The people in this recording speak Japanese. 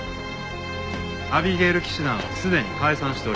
アビゲイル騎士団はすでに解散しております。